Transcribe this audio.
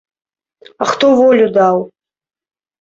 А хто волю даў?